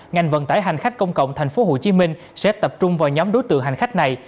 ngành vận tải hành khách công cộng tp hcm sẽ tập trung vào nhóm đối tượng hành khách này